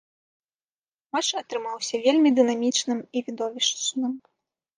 Матч атрымаўся вельмі дынамічным і відовішчным.